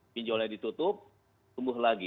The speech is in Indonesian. pinjolnya ditutup tumbuh lagi